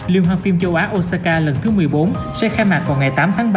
liêu hoang phim châu á osaka lần thứ một mươi bốn sẽ khai mạc vào ngày tám tháng ba